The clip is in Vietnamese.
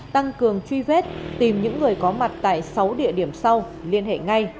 tăng cường truy vết tìm những người có mặt tại sáu địa điểm sau liên hệ ngay